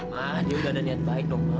ma dia udah ada niat baik dong ma